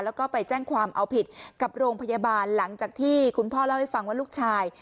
แล้วก็ไปแจ้งความเอาผิดกับโรงพยาบาลหลังจากที่คุณพ่อเล่าให้ฟังว่าลูกชาย